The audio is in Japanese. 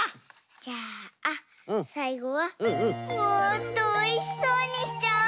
じゃあさいごはもっとおいしそうにしちゃおう！